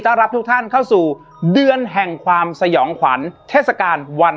รับทุกท่านเข้าสู่เดือนแห่งความสยองขวัญเทศกาลวัน